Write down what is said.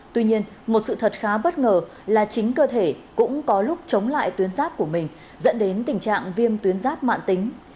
tuy nhiên một sự thật khá bất ngờ là chính cơ thể cũng có lúc chống lại tuyến giáp của mình dẫn đến tình trạng viêm tuyến giáp mạng tính